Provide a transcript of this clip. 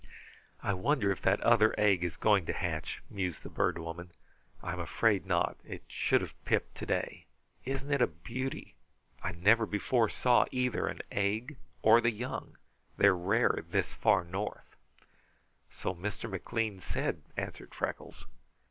"I wonder if that other egg is going to hatch?" mused the Bird Woman. "I am afraid not. It should have pipped today. Isn't it a beauty! I never before saw either an egg or the young. They are rare this far north." "So Mr. McLean said," answered Freckles.